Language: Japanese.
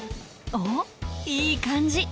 おっいい感じ！